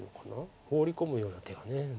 ホウリ込むような手が。